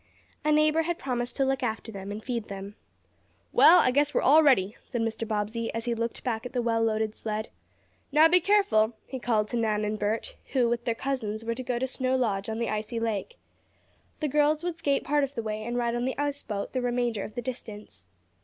A neighbor had promised to look after them and feed them. "Well, I guess we're all ready," said Mr. Bobbsey, as he looked back at the well loaded sled. "Now be careful," he called to Nan and Bert, who with their cousins were to go to Snow Lodge on the icy lake. The girls would skate part of the way and ride on the ice boat the remainder of the distance.